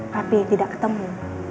tapi tidak ketemu